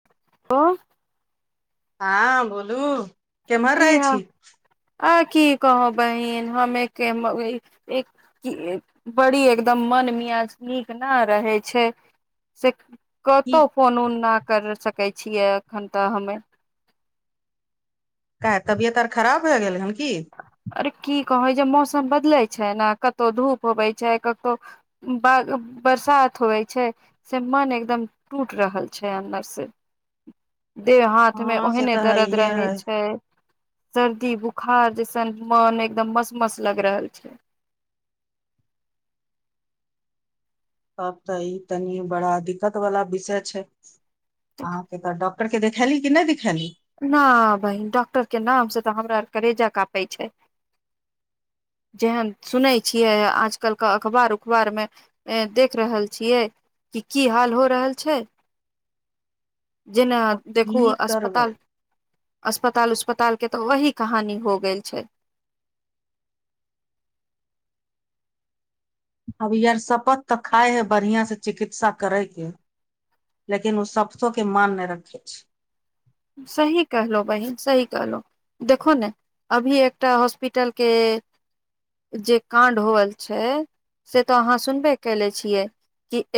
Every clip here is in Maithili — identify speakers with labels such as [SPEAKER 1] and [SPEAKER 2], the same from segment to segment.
[SPEAKER 1] ह
[SPEAKER 2] हँ बोलू। केम्हर
[SPEAKER 1] कि
[SPEAKER 2] रहै
[SPEAKER 1] हँ
[SPEAKER 2] छी
[SPEAKER 1] आ की कहो बहिन हमे कि बड़ी एकदम मन मियाज नीक नहि रहै छै स
[SPEAKER 2] की
[SPEAKER 1] कतहु फोन उन नहि कर सकै छियै एखन तऽ हमे।
[SPEAKER 2] काह तबियत आर खराब होए गेलै हन कि
[SPEAKER 1] अरे कि कहै जे मौसम बदलैत छै ने कतहु धूप होबै छै कतहु बरसात होवइ छै से मन एकदम टूट रहल छै अन्दरसँ देह हाथ मे
[SPEAKER 2] हँ से
[SPEAKER 1] ओहने
[SPEAKER 2] तऽ
[SPEAKER 1] दर्द
[SPEAKER 2] हइये
[SPEAKER 1] रहे
[SPEAKER 2] है
[SPEAKER 1] छै सर्दी बुखार ज मन एकदम मस्त मस्त लग रहल छै।
[SPEAKER 2] तब तऽ ई तनी बड़ा दिक्कत वाला विषय छै। के त डॉक्टर के देखैली कि नहि देखली
[SPEAKER 1] न बहिन डॉक्टर के नाम से तऽ हमरा आरके रेजा कपै छै। जेहन सुनै छियै आजकलके अखबार उखबार म देख रहल छियै कि की हाल हो रहल छै। जेना
[SPEAKER 2] अब
[SPEAKER 1] देखू
[SPEAKER 2] की करबै
[SPEAKER 1] अस्पताल। अस्पताल उस्पताल के तऽ वही कहानी हो गेल छै।
[SPEAKER 2] अभी आार शपत तऽ खााय है बढ़िआ से चिकित्सा करयके। लेकिन ओ सपतो के मान नहि रखै छै।
[SPEAKER 1] सही कहलो बहिन सही कहलो। देखो ने अभी एकटा हॉस्पिटल के। जे काण्ड होल छै से त अहाँ सुनबे कले छियै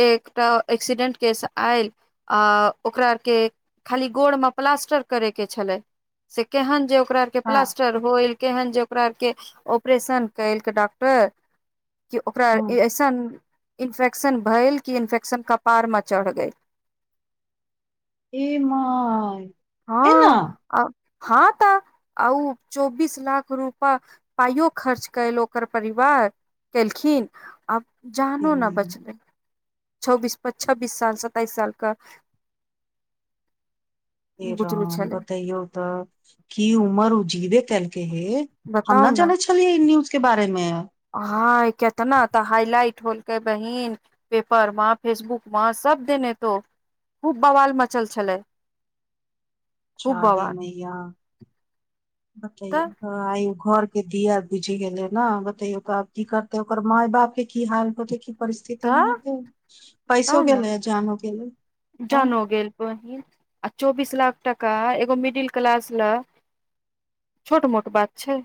[SPEAKER 1] एकटा एक्सीडेंट केस आयल ओकरा आर के खाली गोड़ मे प्लास्टर करै के छलै से केहन जे ओकरा क
[SPEAKER 2] हँ
[SPEAKER 1] प्लास्टर होए केहन जे ओकरा आर क ऑपरेशन कयलक डॉक्टर कि ओकरा
[SPEAKER 2] हँ
[SPEAKER 1] अइसन इन्फेक्शन भेल कि इन्फेक्शन कपारमे चढ़ि गेल।
[SPEAKER 2] एम एना।
[SPEAKER 1] आ हँ त आउ चौबीस लाख रूपा पाइयो खर्च कयल ओकर परिवार केलखिन आब। जानो न बचलै छौबीस छब्बीस साल सताइस साल क
[SPEAKER 2] हे
[SPEAKER 1] बुतरू
[SPEAKER 2] राम
[SPEAKER 1] छलै
[SPEAKER 2] बतैयौ त की उमर उजीवे कलके हे हम
[SPEAKER 1] बताउ
[SPEAKER 2] ने जानै छलियै इ न्यूज के बारे मे
[SPEAKER 1] हँ किया त ने तऽ हाइलाइट होलकै बहिन पेपर म फेसबुक म सभ देने तो खूब वालऽ मचल छलै [inaudible] खूब
[SPEAKER 2] आदे
[SPEAKER 1] बवाल
[SPEAKER 2] मैया
[SPEAKER 1] तऽ
[SPEAKER 2] बतैयौ आ घर के दिया बुझि गेले ने बतेयो तऽ आब कि करते ओकर माय बाप के की हाल होते परिस्थिति
[SPEAKER 1] तऽ
[SPEAKER 2] नहि होत
[SPEAKER 1] तब
[SPEAKER 2] पैसो
[SPEAKER 1] ने
[SPEAKER 2] गेलेलै जानो गेल लै
[SPEAKER 1] जानो गेल बहिन आ चौबीस लाख टका एगो मिडिल क्लास लऽ छोट मोट बात छै।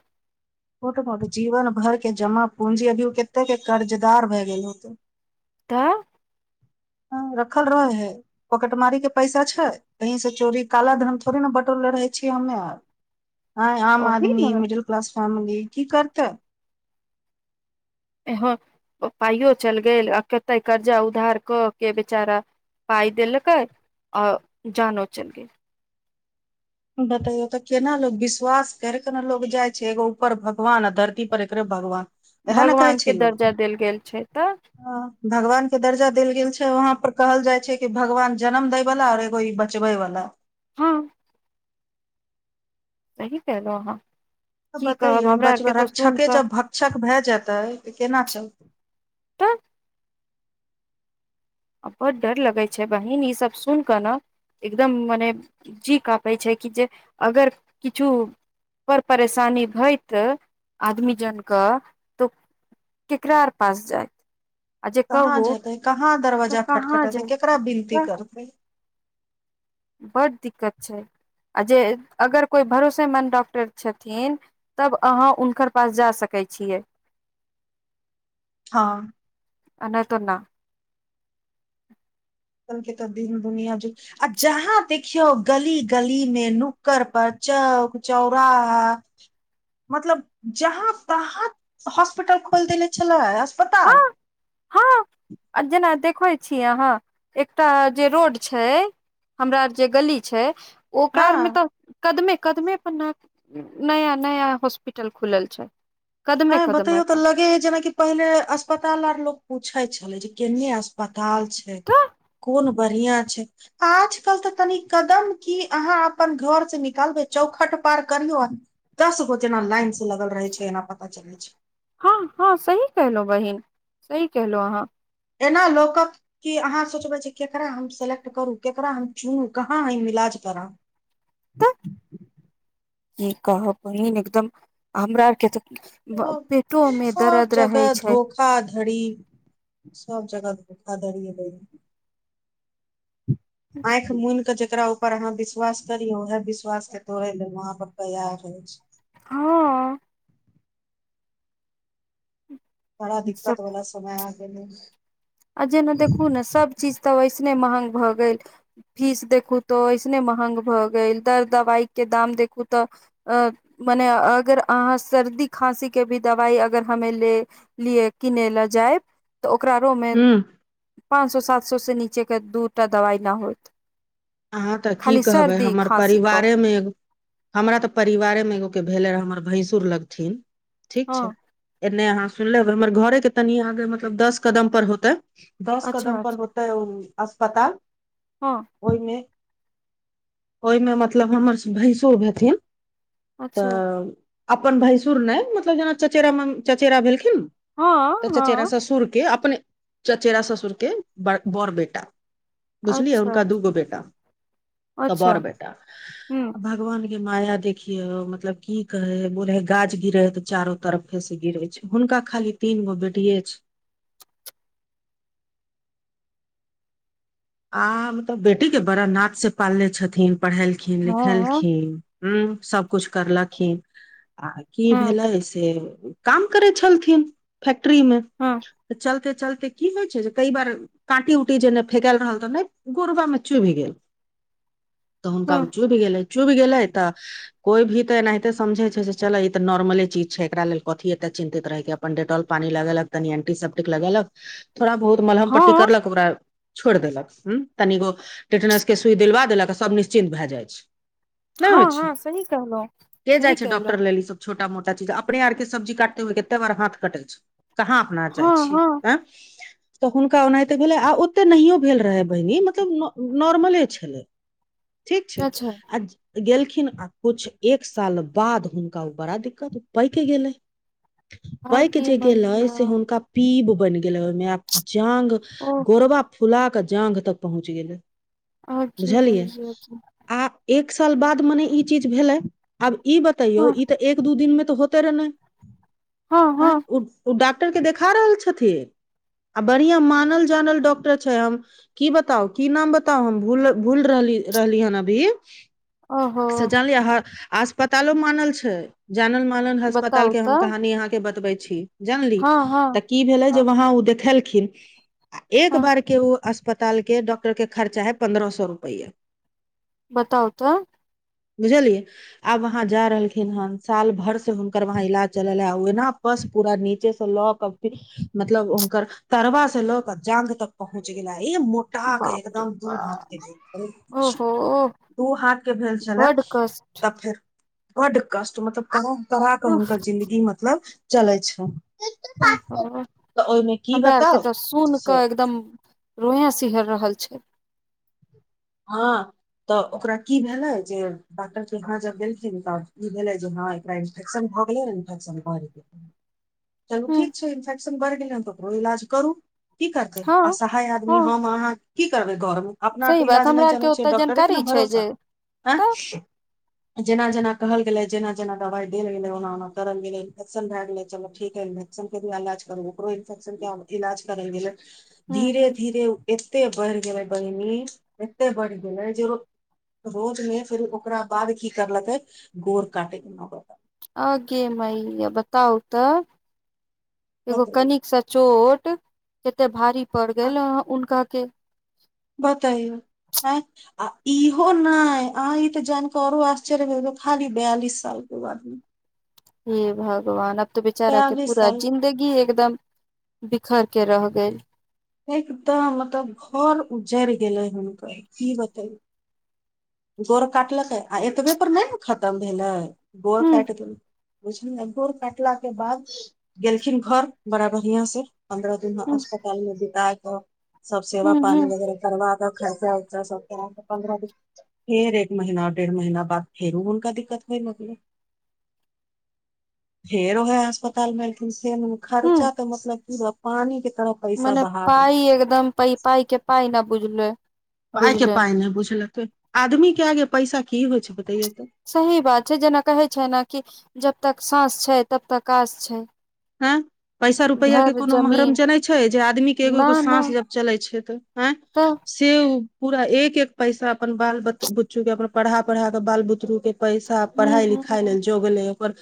[SPEAKER 2] टोट जीवन भर के जमा पूंजी अभी कते के कर्जदार भए गेल होते
[SPEAKER 1] त
[SPEAKER 2] रखल रहे है पोकटमारी के पैसा छै कही से चोरी काला धनम थोड़े ने बटोले रहै छियै हमे आर आम
[SPEAKER 1] ओही
[SPEAKER 2] आदमी
[SPEAKER 1] ने
[SPEAKER 2] मिडल क्लास फैमली की करतै
[SPEAKER 1] पाइयो चलि गेल आ कते कर्जा उधार कऽ के बेचारा पाइ देलक अ जानो चल
[SPEAKER 2] बतैयौ तऽ केना लोकोग विश्वास करिकऽ ने लोकोग जाइ छै एगो ऊपर भगवान आ धरती पर एकरे भगवान एहन कह
[SPEAKER 1] भगवान के
[SPEAKER 2] छल
[SPEAKER 1] दर्जा देल गेल छै तऽ
[SPEAKER 2] हैं भगवान के दर्जा देल गेल छै वहा पर कहल जाइ छै कि भगवान जनम देय वाला और एगो ई बचबे वाला
[SPEAKER 1] ह सही कहल अह
[SPEAKER 2] बतैयो बच रक्षके
[SPEAKER 1] कऽ
[SPEAKER 2] जब भक्षक भए जेतै तऽ केना चलतै।
[SPEAKER 1] तऽ आ बहु डर लगै छै बहिन ईसभ सुन कऽ ने एकदम मने जी कपै छै कि जे अगर किछु पर परेशानी होइत आदमी जन के तो। केकरा आर पास जायइत आ जे
[SPEAKER 2] कहाँ
[SPEAKER 1] कहू।
[SPEAKER 2] जेतै कहाँ
[SPEAKER 1] तऽ
[SPEAKER 2] दरवजाजा
[SPEAKER 1] कहाँ
[SPEAKER 2] खटखटतै
[SPEAKER 1] जायत
[SPEAKER 2] केकरा विनती
[SPEAKER 1] तऽ
[SPEAKER 2] करतै
[SPEAKER 1] बड्ड दिक्कत छै आ जे अगर कोइ भरोसे मन्द डॉक्टर छथिन तब अहाँ हुनकर पास जा सकै छियै।
[SPEAKER 2] ह
[SPEAKER 1] [unintelligible]
[SPEAKER 2] के तऽ दीन दुनिया ज आ जहाँ देखियौ गली गली मे नुकड़ पर चौक चौराहा मतलब जहाँ तहाँ हास्पिटल खोयल देलै छैलै
[SPEAKER 1] हँ
[SPEAKER 2] अस्पताल।
[SPEAKER 1] हँ आ जेना देखै छीय अहाँ एकटा जे रोड छै। हमरा आर जे गली छै
[SPEAKER 2] हँ
[SPEAKER 1] ओकरारमे त कदमे कदमे पर नया नया हॉस्पिटल खुलल छै।
[SPEAKER 2] हूँ
[SPEAKER 1] कदमे
[SPEAKER 2] बतैयौ
[SPEAKER 1] कदमे
[SPEAKER 2] तऽ
[SPEAKER 1] पर
[SPEAKER 2] लगे है जेनाक पहिले अस्पताल आर लोग पूछे छले जे केने अस्पताल छै।
[SPEAKER 1] तऽ
[SPEAKER 2] कोन बढ़िआ छै। आजकल त तनि कदम कि अहाँ अपन घर से निकालबै चौखट पार करियौ। दस गो जेना लाइनस लगल रहै छै एना पता चल छै।
[SPEAKER 1] ह ह सही कलहु बहिन सही कलहु अहाँ
[SPEAKER 2] एना लोक कऽ कि अहाँ सोचबै छी केकरा हम सेलेक्ट करू केकरा हम चुनू कहाँ हम इलाज करा। [unintelligible]
[SPEAKER 1] कि कहब बहिन एकदम हमरा आरके त
[SPEAKER 2] सब
[SPEAKER 1] पेटो मे
[SPEAKER 2] सब
[SPEAKER 1] दर्द रहे
[SPEAKER 2] जगह
[SPEAKER 1] छै।
[SPEAKER 2] धोखा धड़ी सभ जगहोखा धड़ी आखि मुन के जेकरा ऊपर अहाँ विश्वास करिय उएह विश्वास के तोड़े ले वहा पर तैयार होय छै।
[SPEAKER 1] हा
[SPEAKER 2] बड़ा
[SPEAKER 1] सब
[SPEAKER 2] दिक्कत वाला समय आ गेले।
[SPEAKER 1] आ जेना देखू ने सभ चीज तऽ वैसने महंग भ गेल। फीस देखू तऽ ऐसने महंग भऽ गेल दर दवाइ के दाम देखू त अ मने अगर अहाँ सर्दी खाँसी के भी दवाइ अगर हमे ल लिए किन ले जाइब तऽ ओकरा रो म
[SPEAKER 2] हू
[SPEAKER 1] पाँच सए सात सए से नीचे के दूटा दवाई न होत।
[SPEAKER 2] अहाँ त कि
[SPEAKER 1] खाली
[SPEAKER 2] कहबै
[SPEAKER 1] सर्दी
[SPEAKER 2] हमर
[SPEAKER 1] खाँसी क
[SPEAKER 2] परिवारेमे एो हमरा तऽ परिवारे मे एगोके भेलै रहए हमर भैसुर लगथिन ठीक छै।
[SPEAKER 1] हँ
[SPEAKER 2] एने अहाँ सुन लेब हमर घरे के तनि आगे मतलब दस कदम पर होतै। दस
[SPEAKER 1] अच्छा
[SPEAKER 2] कदम पर होते अस्पताल।
[SPEAKER 1] ह
[SPEAKER 2] ओहिमे ओहिमे मतलब हमर भैसुर हथिन।
[SPEAKER 1] अच्छा
[SPEAKER 2] तऽ अपन भैसुर नहि मतलब जेना चचेरा मे चचेरा भेलखिन।
[SPEAKER 1] हँ
[SPEAKER 2] त चचेरा
[SPEAKER 1] हँ
[SPEAKER 2] स सुरके अपने चचेरा ससुर के बर बेटा बुझलियै
[SPEAKER 1] अच्छा
[SPEAKER 2] हनका दूगो
[SPEAKER 1] अच्छा
[SPEAKER 2] बेटा तऽ
[SPEAKER 1] अच्छा
[SPEAKER 2] बड़ बेटा
[SPEAKER 1] हूँ
[SPEAKER 2] भगवान के माया देखियो मतलबी कहे हे बोले हे गाछ गिरे ह ते चारो तरफ हे से गिरे छै। हुनका खाली तीन गो बेटी छै आ मतलब बेटी के बड़ा नाच से पालने छथिन पढ़ेलखिन
[SPEAKER 1] हँ हँ
[SPEAKER 2] लिखेलखिन। ह सभकुछु करलखिन आ कि
[SPEAKER 1] हँ
[SPEAKER 2] भेलै से काम करै छलथिन फैक्ट्री मे तऽ चलते चलते कि होइ छै जे कई बार काँटी उऊटी जे नहि फेकल रहल तऽ नहि गोुरबामे चुहि गेल। त हुनका
[SPEAKER 1] हँ
[SPEAKER 2] चु भि गेलै चु भि गेलै त कोई भी तऽ एनाहिते समझे छै चल ई तऽ नॉर्मले चीज छै एकरा लेल कथी एते चिन्तित रहेक अपन डेटोल पानी लगेलक तनि एंटीसप्टिक लगेल कऽ थोड़ा बहुत मलहम पट्टी करल
[SPEAKER 1] हँ
[SPEAKER 2] कऽ ओकरा छोड़ि देलक। हू तनिगो टेटनस के सुइ दिलवा देलक सभ निश्चिन्त भए जाइत छै। नहि
[SPEAKER 1] हँ
[SPEAKER 2] छै
[SPEAKER 1] हँ सही कहलौं
[SPEAKER 2] के जाइ
[SPEAKER 1] सही
[SPEAKER 2] छै
[SPEAKER 1] कहलौं
[SPEAKER 2] डॉक्टर लेल छोटा मोटा चीज अपने आर के सब्जी काटे हुए कते बार हाथ कटे छै कहा
[SPEAKER 1] हँ हँ
[SPEAKER 2] तऽ हुनका ओनाते भेले आ ओते नहीयो भेल रहे मतल नॉर्मले छल ठीक छै
[SPEAKER 1] अच्छा
[SPEAKER 2] अ गेलखिन आ किछ एक साल बाद हुनका बड़ा दिक्कत पैाकि गेलै पायके
[SPEAKER 1] अहाँके
[SPEAKER 2] जे गेलय
[SPEAKER 1] मैया
[SPEAKER 2] से हुनका। पीब बनि गेल ह ओहिमे जाँग
[SPEAKER 1] ओ
[SPEAKER 2] गोरबा फुला के जाग तऽ पहुँच गेलै
[SPEAKER 1] अहाँके
[SPEAKER 2] बुझलियै
[SPEAKER 1] मैया की
[SPEAKER 2] आ एक साल बाद मने ई चीज भेलै आब ई बतैयौ
[SPEAKER 1] हँ
[SPEAKER 2] तऽ एक दू दिन मे तऽ होते रह नहि
[SPEAKER 1] हँ
[SPEAKER 2] ह
[SPEAKER 1] हँ
[SPEAKER 2] ओ डॉक्टर के देखा रहल छथिन आ बढ़िया मानल जानल डॉक्टर छै हम कि बताउ की नाम बताउ हम भूल भूल रहली रहली हन अभी
[SPEAKER 1] ओहो
[SPEAKER 2] से जानलियै हैं अस्पतालो मानल छै जानल मालन अस्पताल
[SPEAKER 1] बताउ
[SPEAKER 2] के हम
[SPEAKER 1] तऽ
[SPEAKER 2] कहानी अहाँकेँ बतबै छी जानली
[SPEAKER 1] हँ हँ
[SPEAKER 2] तऽ कि भेले
[SPEAKER 1] हँ
[SPEAKER 2] जे वहा ओ देखेलखिन आ एक
[SPEAKER 1] हँ
[SPEAKER 2] बार के ओ अस्पताल के डॉक्टर के खर्चा है पंन्द्रह सौ रुपेया
[SPEAKER 1] बताउ त
[SPEAKER 2] बुझलियै। आब वहा जा रहलखिन हन साल भर से हुनकर वहा इलाज चलल है ओना बस पूरा नीचे से से लऽ कऽ मतलब हुनकर तरबा से लऽ क जांग तक पहुँच गेला ई तक
[SPEAKER 1] बाप रे
[SPEAKER 2] एकदम दू हाथ
[SPEAKER 1] बाप ओहो
[SPEAKER 2] केहुत दू हाथ के भेल छलै
[SPEAKER 1] बड कष्ट
[SPEAKER 2] तब फेर। बड़ कष्ट मतलब कोनो तरहके
[SPEAKER 1] उफ
[SPEAKER 2] हुनकर जिंन्दगी मतलब चलै छै
[SPEAKER 1] ओ
[SPEAKER 2] तऽ ओहिमे की
[SPEAKER 1] हमरा आरके
[SPEAKER 2] बताउ
[SPEAKER 1] तऽ सुन
[SPEAKER 2] से
[SPEAKER 1] क एकदम रोये सिहर रहल छथि
[SPEAKER 2] ह तऽ ओकरा की भेलै जे डॉक्टर केहा जब गेलखिन तब ई भेलै जे ह एकरा इन्फेकशन भऽ गेलै न इन्फ्शन भऽ गेलै
[SPEAKER 1] [inaudible]
[SPEAKER 2] चलू
[SPEAKER 1] हुँ
[SPEAKER 2] ठीक छै इन्फेक्शन बढ़ि गेलै ह त ओकरो इलाज करू की करतै
[SPEAKER 1] हँ
[SPEAKER 2] असहाय आ
[SPEAKER 1] हँ
[SPEAKER 2] हम अहाँ कि करबै घरमे अपना
[SPEAKER 1] सही बात
[SPEAKER 2] इलाज
[SPEAKER 1] हमरा
[SPEAKER 2] नहि
[SPEAKER 1] आरके
[SPEAKER 2] जानै छै
[SPEAKER 1] ओते
[SPEAKER 2] डक्टर
[SPEAKER 1] जानकारी
[SPEAKER 2] केना
[SPEAKER 1] छै
[SPEAKER 2] भरोसा
[SPEAKER 1] जे तऽ
[SPEAKER 2] जेना जेना कहल गेले जेना जेना दवाई देल गेलय ओना ओना करल गेले इन्फेक्शन भए गेले चल ठीके र के इलाज करू ओकरो इन्फेक्शन क इलाज करे गेल
[SPEAKER 1] हुँ
[SPEAKER 2] धीरे
[SPEAKER 1] हुँ
[SPEAKER 2] धीरे एते बढ़ गेलै बहिनी एते बढ़ि गेलै जेो रोज मे फेर ओकरा बाद कि करलतै गोर काटे के नौबत
[SPEAKER 1] आगे मईया बताउ त एगो
[SPEAKER 2] बतैयौ
[SPEAKER 1] कनिक सँ चोट कतेक भारी पड़ि गेल हे हुनका के
[SPEAKER 2] बतइौ आ आ इहो नहि अहाँ ई त जान कऽ आओरो आश्चर्य होब खाली बयालिस सालके बादमे
[SPEAKER 1] हे भगवान अब तो बेचारा के
[SPEAKER 2] बयालिस
[SPEAKER 1] पूरा
[SPEAKER 2] साल
[SPEAKER 1] जिन्दगी एकदम बिखर के रह गेल।
[SPEAKER 2] एकदम मतलब घर उजड़ गेले हुनकर कि बतेल गोर काटलकै आ एतबेपर नहि न खतम भेलै गोर
[SPEAKER 1] हूँ
[SPEAKER 2] काटि देल गोर काटला के बाद गेलखिन घर बड़ा बढ़िआ से पन्द्रह दिन
[SPEAKER 1] हूँ
[SPEAKER 2] अस्पताल मे बित कऽ सभ
[SPEAKER 1] हूँ
[SPEAKER 2] सेवा पानी
[SPEAKER 1] हूँ
[SPEAKER 2] वगैरह तरवाद खर सँ पन्द्रह दिन फेर एक महीना डेढ़ महीना बाद फेरो हुनका दिक्कत होइ लगलै। फेरो है अस्पताल मे लेकिन फेर
[SPEAKER 1] हूँ
[SPEAKER 2] खर्चा त मतलब कि रह पानी के तरफ
[SPEAKER 1] मने पाइ एकदम पै पाइ के पाइ ने बुझल
[SPEAKER 2] पाइ के पाइ नहि बुझलकै आदमीक के आगे पैसा कि होइ छै बतैये त
[SPEAKER 1] सही बात छै जेना कहै छै ने कि जब तक सास छै तब तक कस छै
[SPEAKER 2] ह पैसा रुपैआ के
[SPEAKER 1] घर
[SPEAKER 2] कोनो महरम
[SPEAKER 1] जमीन
[SPEAKER 2] जेनाै छै जे आदमी के एगो एगो साँस जब चले छै त आ
[SPEAKER 1] त
[SPEAKER 2] से पूरा एक एक पैसा अपन बाल बुच्चु के अपन पढ़ा पढ़ा के बाल बुतरु के पैसा
[SPEAKER 1] हूँ
[SPEAKER 2] पढ़ाई लिखाइ
[SPEAKER 1] हूँ
[SPEAKER 2] नहि जोग नहि ओकर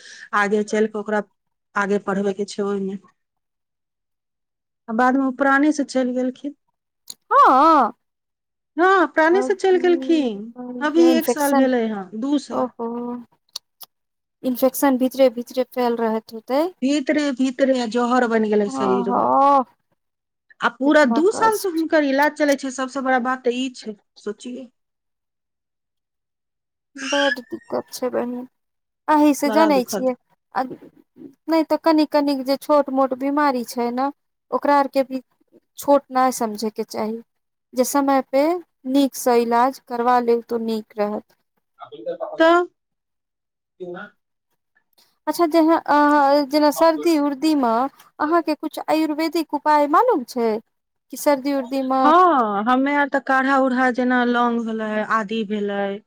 [SPEAKER 2] आगे चल के ओकरा आगे। पढ़बै के छै ओहि मे बाद मे ओ पराने से चलि गेलखिन
[SPEAKER 1] ह
[SPEAKER 2] हँ प्राणे से चलि गेलखिन अभी एक साल
[SPEAKER 1] इन्फेशन
[SPEAKER 2] भेलै हँ दू साल
[SPEAKER 1] ओ। ओ इन्फेक्शन भीतरे भीतरे फैल रहत होते
[SPEAKER 2] भीतरे भीतरे। जहर बनि गेलैन
[SPEAKER 1] हँ
[SPEAKER 2] शरीर
[SPEAKER 1] हँ
[SPEAKER 2] आ पूरा
[SPEAKER 1] कितना
[SPEAKER 2] दू साल से
[SPEAKER 1] कष्ट
[SPEAKER 2] हुनकर इलाज चलै छै सबसँ बड़ा बात तऽ ई छै सोचियै
[SPEAKER 1] बड दिक्कत छै बहिन अही से
[SPEAKER 2] बड़ा
[SPEAKER 1] जनै
[SPEAKER 2] दुखद
[SPEAKER 1] छियै नै तऽ कनिक कनिक जे छोट मोट बीमारी छै न ओकरा आर के भी छोट नैय समझै के चाही जे समय पे नीकसँ इलाज करबा लेब तोऽ नीक रहत
[SPEAKER 2] त
[SPEAKER 1] अच्छा जेहाँ आहा जेना सर्दी उर्दी दी म अहाँके कुछ आयुर्वेदिक उपाय मालूम छै कि सर्दी उर्दी मे
[SPEAKER 2] हँ हमे यार तऽ काढ़ा उढ़ा जेना लौंग भेलैय आदी भेलैय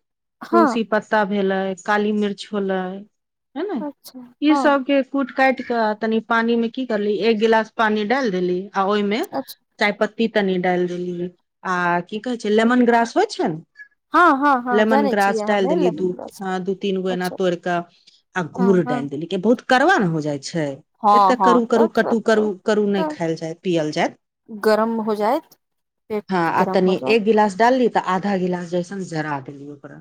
[SPEAKER 1] हँ
[SPEAKER 2] तुलसी पत त्ता भेलै काली मिर्च होलैय है न
[SPEAKER 1] अच्छा
[SPEAKER 2] ई
[SPEAKER 1] हँ
[SPEAKER 2] सब के कूट काटि क तनि पानी मे की करली एक गिलास पानी डाल देली आ ओईमे
[SPEAKER 1] अच्छा
[SPEAKER 2] चायपत्ती तनी डालि देलीयै आ की कहे छै लेमन ग्रास होइ छै न
[SPEAKER 1] हँ हँ हँ
[SPEAKER 2] लेमन
[SPEAKER 1] जानै
[SPEAKER 2] ग्रास
[SPEAKER 1] छियै
[SPEAKER 2] डालि
[SPEAKER 1] हमे
[SPEAKER 2] देलीयै दू
[SPEAKER 1] लेमन ग्रास
[SPEAKER 2] दू तीन गो एना
[SPEAKER 1] अच्छा
[SPEAKER 2] तोड़ क आ
[SPEAKER 1] हँ
[SPEAKER 2] गुड़
[SPEAKER 1] हँ
[SPEAKER 2] डालि देलीयै के बहुत करड़वा ने हो जाइ छै
[SPEAKER 1] हँ
[SPEAKER 2] एते
[SPEAKER 1] हँ
[SPEAKER 2] करू
[SPEAKER 1] तऽ
[SPEAKER 2] करू
[SPEAKER 1] सब
[SPEAKER 2] कटू करू
[SPEAKER 1] तऽ
[SPEAKER 2] करू नै
[SPEAKER 1] तऽ
[SPEAKER 2] खायल जाए पियअल जाएत
[SPEAKER 1] गरम हो जाएत
[SPEAKER 2] हँ आ तनि एक गिलास डालली तऽ आधा गिलास जैसन जरा देली ओकरा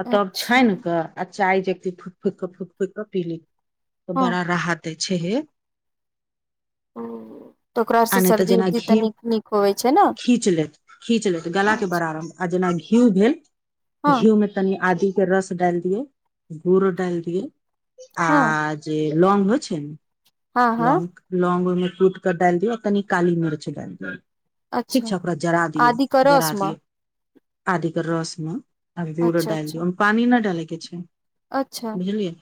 [SPEAKER 2] आ तब
[SPEAKER 1] अच्छा
[SPEAKER 2] छानि कऽ आ चाय जेकि फुकि फुकि कऽ फुकि फूकि कऽ पीली तऽ
[SPEAKER 1] हँ
[SPEAKER 2] बड़ा राहत दै छै हे
[SPEAKER 1] हूँ तऽ ओकरा आर से सर्दी उर्दी तऽ
[SPEAKER 2] कियू
[SPEAKER 1] नीक नीक होवे छै ने
[SPEAKER 2] खीच लेत खीच लेत गला
[SPEAKER 1] हँ
[SPEAKER 2] के बरा आ जेना घियू भेल
[SPEAKER 1] हँ
[SPEAKER 2] घियू मे तनी आदी के रस डाल दियौ गुड़ डाल दियौ आ जे लौंग होय छै ने
[SPEAKER 1] हँ हँ
[SPEAKER 2] लौंग लौंग ओहिं कूट क डालि दियौ आ कनि काली मिर्च [unintelligible] ठीक
[SPEAKER 1] अच्छा
[SPEAKER 2] छै ओकरा जरा दियौ
[SPEAKER 1] आदि
[SPEAKER 2] जरा
[SPEAKER 1] करस मे
[SPEAKER 2] दियौ आदिके रसमे आब गूर
[SPEAKER 1] अच्छा
[SPEAKER 2] डालि दियौ
[SPEAKER 1] अच्छा
[SPEAKER 2] ओईमे पानि न डालैके छै
[SPEAKER 1] अच्छा
[SPEAKER 2] बुझलियै